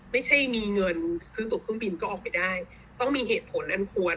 ไม่ใช่มีเงินซื้อตัวเครื่องบินก็ออกไปได้ต้องมีเหตุผลอันควร